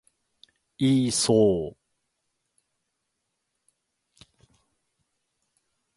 イーソー